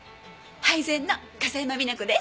配膳の笠山美奈子です。